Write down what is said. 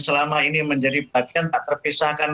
selama ini menjadi bagian tak terpisahkan